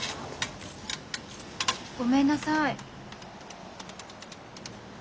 ごめんなさい。